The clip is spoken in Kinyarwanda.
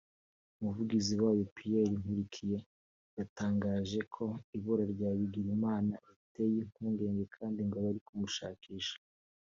umuvugizi wayo Pierre Nkurikiye yatangaje ko ibura rya Bigirimana riteye impungenge kandi ngo bari kumushakisha